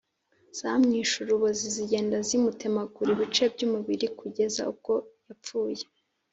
Zamwishe urubozo zigenda zimutemaguraho ibice by’ umubiri kugeza ubwo yapfuye